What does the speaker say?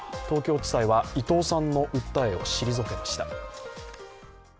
東京地裁は伊藤さんの訴えを退けました。